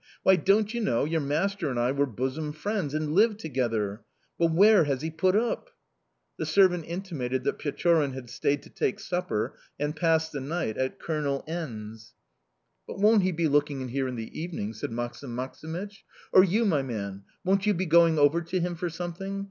Why, don't you know, your master and I were bosom friends, and lived together?... But where has he put up?" The servant intimated that Pechorin had stayed to take supper and pass the night at Colonel N 's. "But won't he be looking in here in the evening?" said Maksim Maksimych. "Or, you, my man, won't you be going over to him for something?...